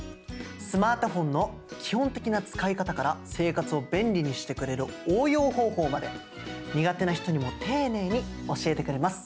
スマートフォンの基本的な使い方から生活を便利にしてくれる応用方法まで苦手な人にも丁寧に教えてくれます。